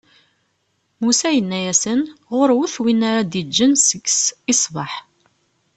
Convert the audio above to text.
Musa yenna-asen: ɣur-wat win ara d-iǧǧen seg-s i ṣṣbeḥ.